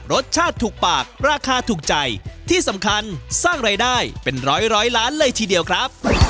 รสชาติถูกปากราคาถูกใจที่สำคัญสร้างรายได้เป็นร้อยร้อยล้านเลยทีเดียวครับ